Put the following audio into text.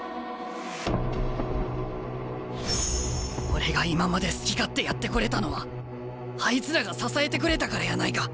俺が今まで好き勝手やってこれたのはあいつらが支えてくれたからやないか。